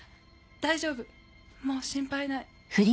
大丈夫もう心配ない。